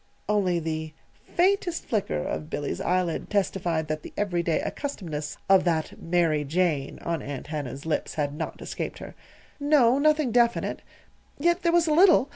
Only the faintest flicker of Billy's eyelid testified that the everyday accustomedness of that "Mary Jane" on Aunt Hannah's lips had not escaped her. "No, nothing definite. Yet there was a little.